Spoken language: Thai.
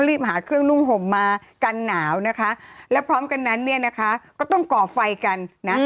แล้วก็พร้อมกันนั้นก็ต้องก่อไฟกันนะ